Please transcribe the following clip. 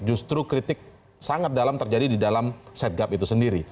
justru kritik sangat dalam terjadi di dalam setgab itu sendiri